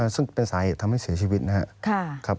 ซึ่งเป็นสาเหตุทำให้เสียชีวิตนะครับ